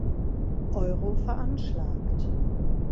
Euro veranschlagt.